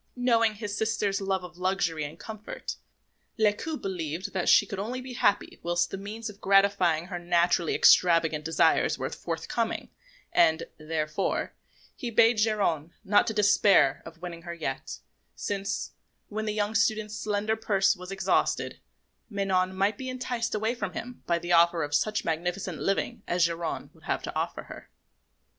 Knowing his sister's love of luxury and comfort, Lescaut believed that she could only be happy whilst the means of gratifying her naturally extravagant desires were forthcoming; and, therefore, he bade Geronte not to despair of winning her yet, since, when the young student's slender purse was exhausted, Manon might be enticed away from him by the offer of such magnificent living as Geronte would have to offer her.